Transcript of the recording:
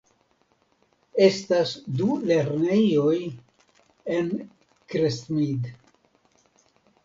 Estas du lernejoj en Crestmead.